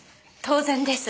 当然です。